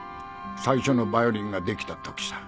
最初のバイオリンが出来た時さ。